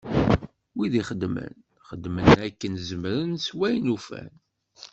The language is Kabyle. Wid ixeddmen, xeddmen akken zemren s wayen ufan.